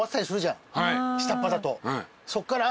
下っ端だと。